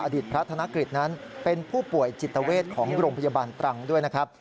พระธนกฤษนั้นเป็นผู้ป่วยจิตเวทของโรงพยาบาลตรังด้วยนะครับ